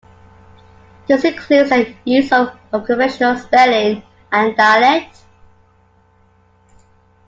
This includes the use of unconventional spelling and dialect.